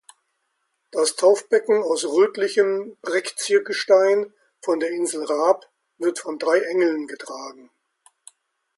Das Taufbecken aus rötlichem Brekzie-Gestein von der Insel Rab wird von drei Engeln getragen.